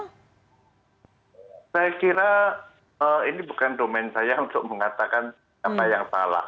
saya kira ini bukan domen saya untuk mengatakan apa yang salah